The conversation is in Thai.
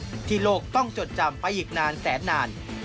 ที่โลกต้องจดจำไปอีกนานแสนนาน